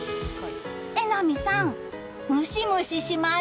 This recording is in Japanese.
榎並さん、ムシムシします。